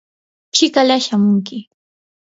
chikala shamunki.